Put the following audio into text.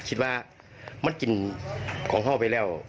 คิดว่ามันกินของพ่อไปแล้ว